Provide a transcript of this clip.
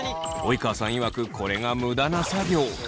及川さんいわくこれがムダな作業。